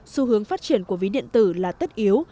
xu hướng phát triển của ví điện tử là tất yếu